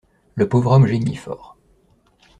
Le pauvre homme geignit fort.